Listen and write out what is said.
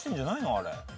あれ。